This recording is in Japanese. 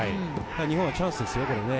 日本はチャンスですよ。